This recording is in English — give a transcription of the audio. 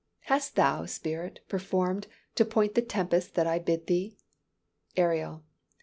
_ "Hast thou, spirit, Performed, to point the tempest that I bid thee?" _Ariel.